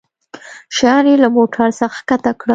شيان يې له موټرڅخه کښته کړل.